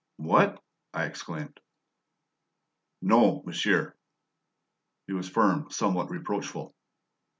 "What?" I exclaimed. "No, monsieur." He was firm, somewhat reproachful.